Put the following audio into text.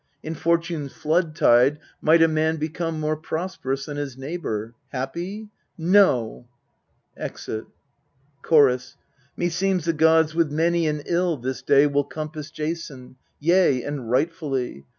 In Fortune's flood tide might a man become More prosperous than his neighbour : happy ? no ! [Exit. Chorus. Meseems the gods with many an ill this day Will compass Jason yea, and rightfully.